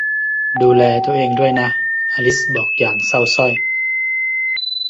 ดูแลตัวเองด้วยนะ อลิซบอกอย่างเศร้าสร้อย